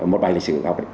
một bài lịch sử học đấy